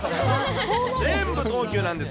全部東急なんです。